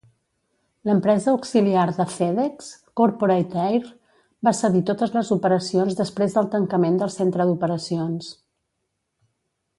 L'empresa auxiliar de FedEx, Corporate Air, va cedir totes les operacions després del tancament del centre d'operacions.